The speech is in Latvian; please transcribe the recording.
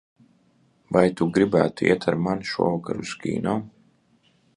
Vai tu gribētu iet ar mani šovakar uz kino?